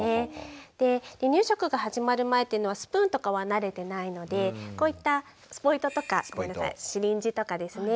離乳食が始まる前っていうのはスプーンとかは慣れてないのでこういったスポイトとかシリンジとかですね